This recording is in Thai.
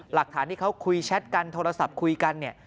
หลักฐานที่เขาคุยแชทกันโทรศัพท์คุยกันเนี่ย